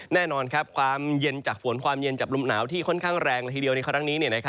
แน่นอนความเย็นจากฝนความเย็นจากลมหนาวที่ค่อนข้างแรงละทีเดียวในครั้งนี้